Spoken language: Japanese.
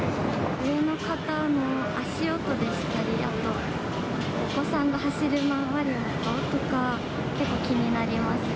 上の方の足音でしたり、あとお子さんの走り回る音とか、結構気になりますね。